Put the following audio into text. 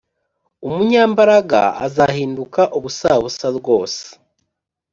Umunyambaraga azahinduka ubusabusa rwose